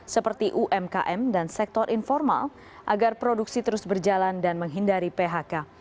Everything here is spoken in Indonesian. seperti umkm dan sektor informal agar produksi terus berjalan dan menghindari phk